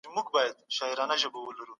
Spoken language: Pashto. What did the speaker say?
تدريس د ټاکلي هدف له پاره وي.